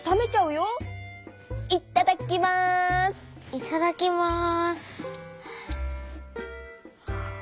いただきます。